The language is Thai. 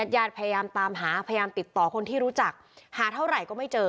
ญาติพยายามตามหาพยายามติดต่อคนที่รู้จักหาเท่าไหร่ก็ไม่เจอ